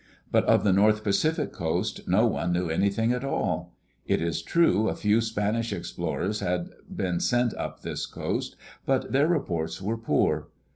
But of the North Pacific coast no one knew anything at all. It is true a few Spanish explorers had been sent up this coast, but their reports were poor.